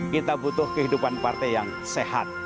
kita butuh kehidupan partai yang sehat